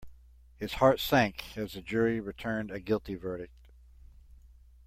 His heart sank as the jury returned a guilty verdict.